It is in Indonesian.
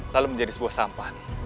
lalu menjadi sebuah sampan